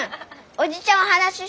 おじちゃんお話しして！